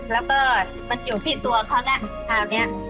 แล้วก็มันอยู่ที่ตัวเขาละ